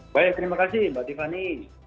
baik terima kasih mbak tiffany